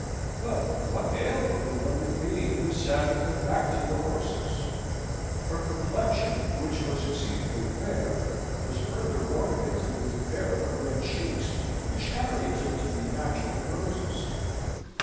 But what ailed the beloved being who sate with her back to the horses? Her complexion, which was exceedingly fair, was further ornamented with a pair of red cheeks, which Harry took to be natural roses.